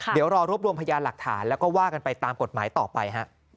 เดี๋ยวรอรวบรวมพยานหลักฐานแล้วก็ว่ากันไปตามกฎหมายต่อไป